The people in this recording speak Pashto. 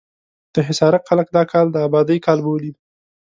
د حصارک خلک دا کال د ابادۍ کال بولي.